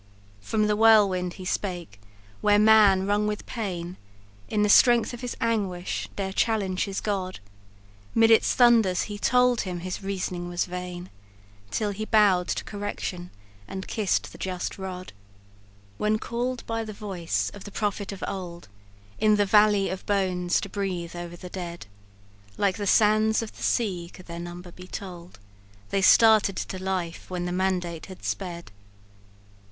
"From the whirlwind he spake, when man wrung with pain, In the strength of his anguish dare challenge his God; 'Mid its thunders he told him his reasoning was vain, Till he bowed to correction, and kiss'd the just rod. "When call'd by the voice of the prophet of old, In the 'valley of bones,' to breathe over the dead; Like the sands of the sea, could their number be told, They started to life when the mandate had sped.